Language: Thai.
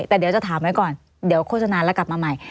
แต่เดี๋ยวจะถามไว้ก่อนเดี๋ยวโฆษณาแล้วกลับมาใหม่